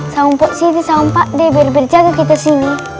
sama pok siti sama pak de biar berjaga kita sini